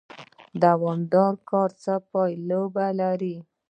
دوامدار کار څه پایله لري؟